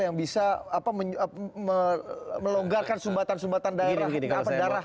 yang bisa melonggarkan sumbatan sumbatan darah